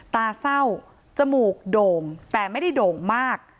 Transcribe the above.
ตาเศร้าจมูกโด่งแต่ไม่ได้โด่งมาก